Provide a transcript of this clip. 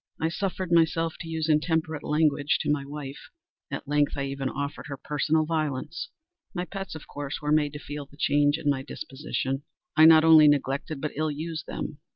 I suffered myself to use intemperate language to my wife. At length, I even offered her personal violence. My pets, of course, were made to feel the change in my disposition. I not only neglected, but ill used them.